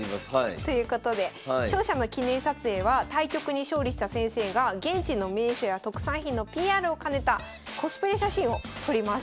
ということで勝者の記念撮影は対局に勝利した先生が現地の名所や特産品のＰＲを兼ねたコスプレ写真を撮ります。